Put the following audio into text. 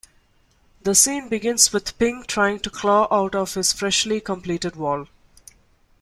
The scene begins with Pink trying to claw out of his freshly completed wall.